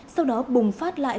sau đó bùng phát lại